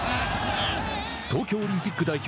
東京オリンピック代表